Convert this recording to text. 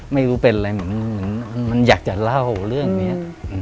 ไม่รู้เป็นอะไรเหมือนมันอยากจะเล่าเรื่องนี้